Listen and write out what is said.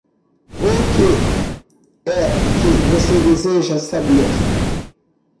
O que é que você deseja saber?